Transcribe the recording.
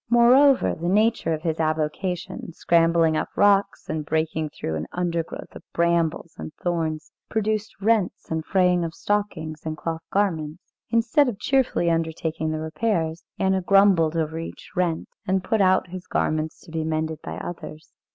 Moreover, the nature of his avocation, scrambling up rocks and breaking through an undergrowth of brambles and thorns, produced rents and fraying of stockings and cloth garments. Instead of cheerfully undertaking the repairs, Anna grumbled over each rent, and put out his garments to be mended by others.